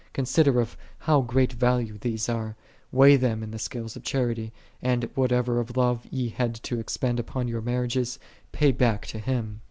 Consider of how great value these are, weigh them in the scales of Charity; and whatever of love ye had to ex pend upon your marriages, pay back to Him.